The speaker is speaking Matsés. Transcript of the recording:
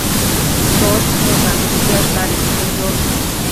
Toshcasho tantiash badedquio chosh